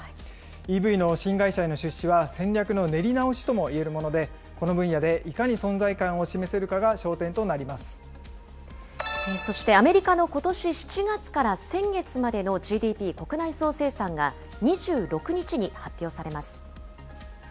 ＥＶの新会社への出資は、戦略の練り直しともいえるもので、この分野でいかに存在感を示せるそして、アメリカのことし７月から先月までのＧＤＰ・国内総生産が２６日に発表されます。